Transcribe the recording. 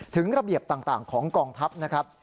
ถึงระเบียบต่างของกองทัพนะครับ